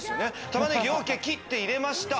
玉ねぎを切って入れました。